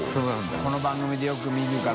この番組でよく見るから。